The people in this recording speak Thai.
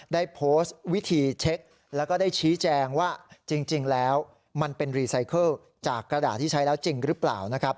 ได้โพสต์วิธีเช็คแล้วก็ได้ชี้แจงว่าจริงแล้วมันเป็นรีไซเคิลจากกระดาษที่ใช้แล้วจริงหรือเปล่านะครับ